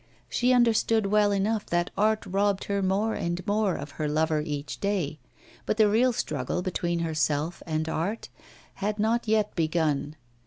She understood well enough that art robbed her more and more of her lover each day, but the real struggle between herself and art had not yet begun.